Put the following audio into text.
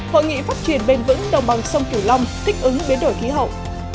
hội nghị phát triển bền vững đồng bằng sông cửu long thích ứng biến đổi khí hậu